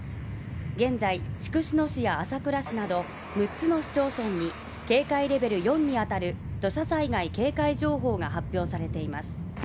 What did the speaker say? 現在筑紫野市や朝倉市など六つの市町村に警戒レベル４にあたる土砂災害警戒情報が発表されています。